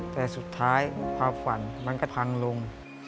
แต่สุดท้ายความฝันมันก็พังลง